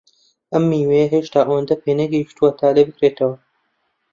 ئەم میوەیە هێشتا ئەوەندە پێنەگەیشتووە تا لێبکرێتەوە.